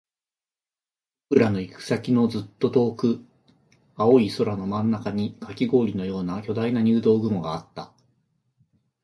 僕らの行く先のずっと遠く、青い空の真ん中にカキ氷のような巨大な入道雲があった